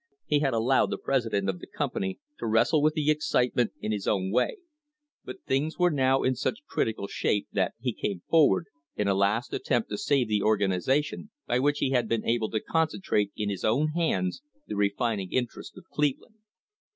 He had allowed the president of the company to wrestle with the excitement in his own way, but things were now in such critical shape that he came for ward in a last attempt to save the organisation by which he had been able to concentrate in his own hands the refining inter ests of Cleveland.